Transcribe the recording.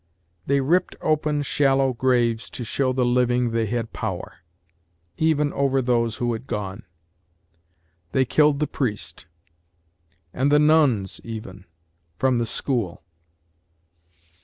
THEY ripped open shallow graves to show the living they had power even over those who had gone. They killed the priest. And the nuns, even, from the school.